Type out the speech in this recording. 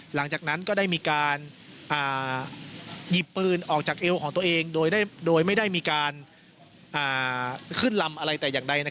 หลังจากนั้นก็ได้มีการหยิบปืนออกจากเอวของตัวเองโดยไม่ได้มีการขึ้นลำอะไรแต่อย่างใด